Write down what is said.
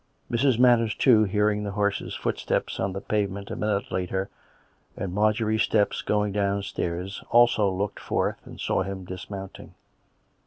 Mrs. Manners, too, hearing the horse's footsteps on the pavement a minute later, and Marjorie's steps going downstairs, also looked forth and saw him dismounting.